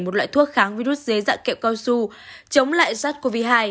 một loại thuốc kháng virus dưới dạng kẹo cao su chống lại sars cov hai